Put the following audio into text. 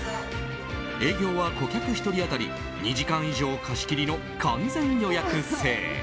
営業は顧客１人当たり２時間以上貸し切りの完全予約制。